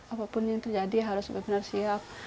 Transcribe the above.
apapun yang terjadi harus benar benar siap